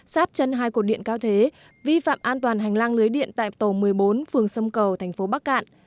sát chân hai cột điện cao thế vi phạm an toàn hành lang lưới điện tại tổ một mươi bốn phường sông cầu thành phố bắc cạn